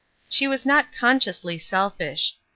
She was not consciously selfish.